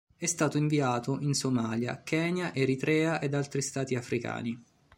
È stato inviato in Somalia, Kenya, Eritrea ed altri stati africani.